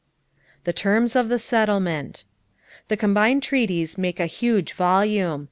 =The Terms of the Settlement.= The combined treaties make a huge volume.